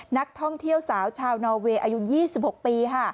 นักท่องเที่ยวสาวชาวนอเวย์อายุ๒๖ปี